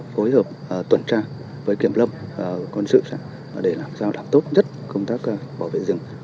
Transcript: phối hợp tuần tra với kiểm lâm quân sự xã để làm sao làm tốt nhất công tác bảo vệ rừng